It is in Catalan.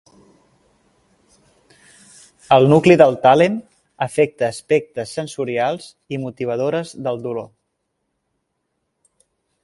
El nucli del tàlem afecta aspectes sensorials i motivadores del dolor.